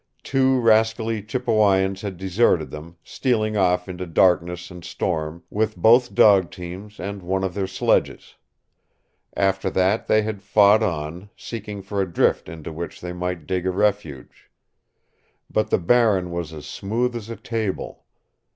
Two rascally Chippewyans had deserted them, stealing off into darkness and storm with both dog teams and one of their sledges. After that they had fought on, seeking for a drift into which they might dig a refuge. But the Barren was as smooth as a table.